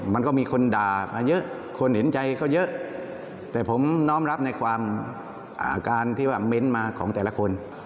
มันก็มีคนด่ามาเยอะคนเห็นใจเขาเยอะแต่ผมน้อมรับในการที่ว่าเม้นต์มาของแต่ละคน